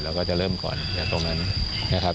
ก็จะเริ่มก่อนตรงนั้นนะครับ